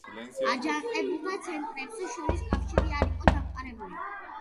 აჯანყებულთა ცენტრებს შორის კავშირი არ იყო დამყარებული.